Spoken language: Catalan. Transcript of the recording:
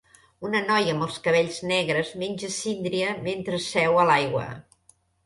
Una noia amb els cabells negres menja síndria mentre seu a l'aigua